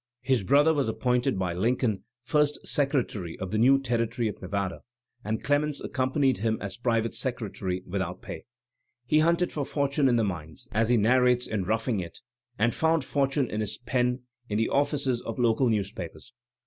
His brother was appointed by Lincoln first Secretary of the new Territory of Nevada, and Clemens accompanied him as private secretary without pay. He hunted for fortime in the mines, as he narrates in ^^Roughing It,'* and found fortune in his pen in the offices of local newspapers.